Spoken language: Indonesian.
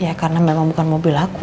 ya karena memang bukan mobil aku